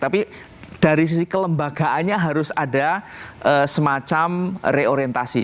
tapi dari sisi kelembagaannya harus ada semacam reorientasi